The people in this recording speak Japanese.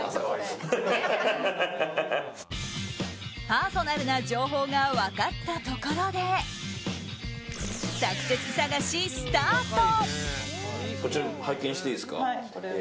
パーソナルな情報が分かったところでサクセス探しスタート！